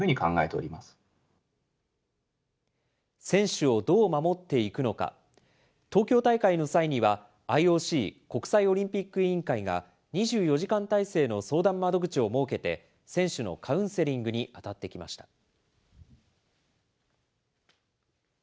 選手をどう守っていくのか、東京大会の際には、ＩＯＣ・国際オリンピック委員会が２４時間態勢の相談窓口を設けて、選手のカウンセリングに当たってきました。